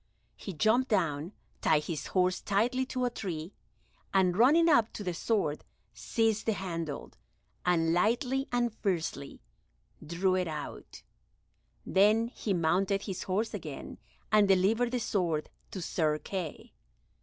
He jumped down, tied his horse tightly to a tree, and, running up to the sword, seized the handle, and lightly and fiercely drew it out; then he mounted his horse again, and delivered the sword to Sir Kay.